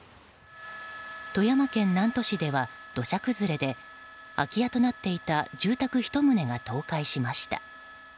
富山県南砺市では土砂崩れで空き家となっていた住宅１棟が倒壊しました。